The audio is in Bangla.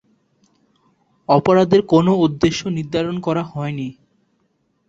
অপরাধের কোনও উদ্দেশ্য নির্ধারণ করা হয়নি।